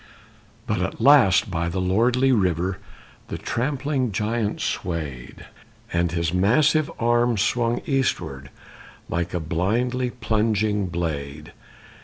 But at last by the lordly river The trampling giant swayed, And his massive arm swung eastward Like a blindly plunging blade.